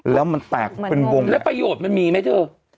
แล้วมันแตกเป็นวงแล้วประโยชน์มันมีไหมเธอ